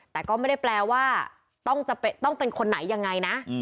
แต่ก็ไม่ได้แปลว่าต้องเป็นคนไหนยังไงนะ